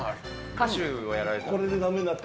歌手をやられてた？